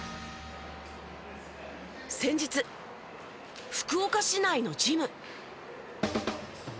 先日福岡市内のジム。